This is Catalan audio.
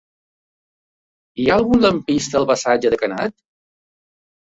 Hi ha algun lampista al passatge de Canet?